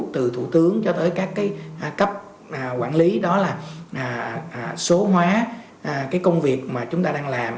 từ thủ tướng cho tới các cấp quản lý đó là số hóa công việc mà chúng ta đang làm